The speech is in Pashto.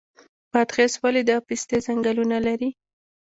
بادغیس ولې د پستې ځنګلونه لري؟